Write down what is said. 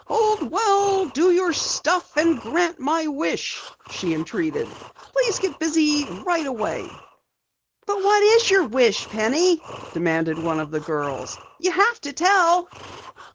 "Old well, do your stuff and grant my wish," she entreated. "Please get busy right away." "But what is your wish, Penny?" demanded one of the girls. "You have to tell."